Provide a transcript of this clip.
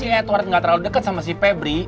deng kalo si edward ga terlalu deket sama si pebri